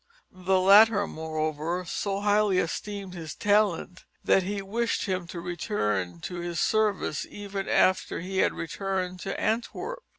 The latter, moreover, so highly esteemed his talent that he wished him to return to his service even after he had returned to Antwerp.